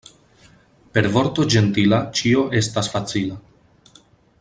Per vorto ĝentila ĉio estas facila.